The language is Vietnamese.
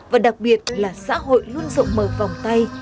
và đặc biệt là xã hội luôn rộng mở vòng tay